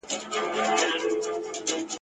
و هغې ته د مرګ سزا ورکول سوه